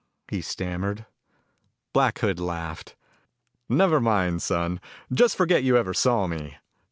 he stammered. Black Hood laughed. "Never mind, son. Just forget you ever saw me."